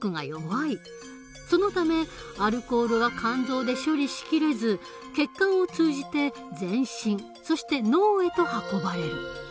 そのためアルコールは肝臓で処理しきれず血管を通じて全身そして脳へと運ばれる。